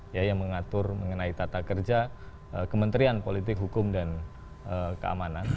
ya yang mengatur mengenai tata kerja kementerian politik hukum dan keamanan